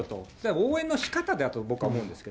応援のしかただと、僕は思うんですけどね。